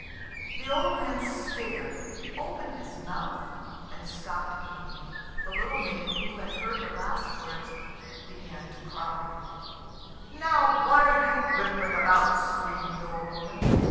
The old man stared, opened his mouth, and stopped eating. The little maid, who had heard the last words, began to cry, "Now, what are you whimpering about?" screamed the old woman.